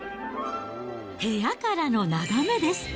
部屋からの眺めです。